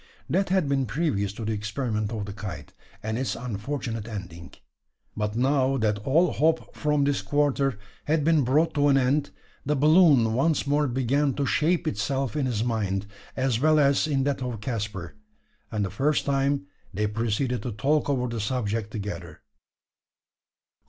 That had been previous to the experiment of the kite, and its unfortunate ending. But now that all hope from this quarter had been brought to an end, the balloon once more began to shape itself in his mind, as well as in that of Caspar; and for the first time they proceeded to talk over the subject together.